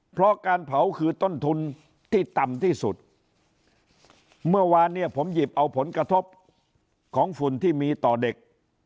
เพราะการเผาคือต้นทุนที่ต่ำที่สุดเมื่อวานเนี่ยผมหยิบเอาผลกระทบของฝุ่นที่มีต่อเด็ก